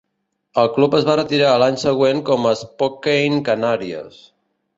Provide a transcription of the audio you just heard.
El club es va retirar l"any següent com a Spokane Canaries.